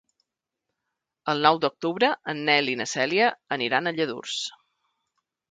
El nou d'octubre en Nel i na Cèlia aniran a Lladurs.